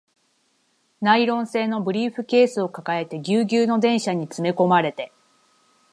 ナイロン製のブリーフケースを抱えて、ギュウギュウの電車に詰め込まれて